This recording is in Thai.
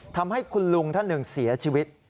ทำให้คุณลุงท่านหนึ่งเสียชีวิต